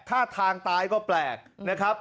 ท่าทางตายก็แปลกนะครับ